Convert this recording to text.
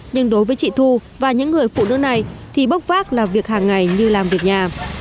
nhưng đối với chị thu và những người phụ nữ này thì bốc vác là việc hàng ngày như làm việc nhà